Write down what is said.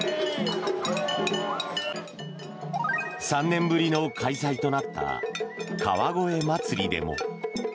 ３年ぶりの開催となった川越まつりでも。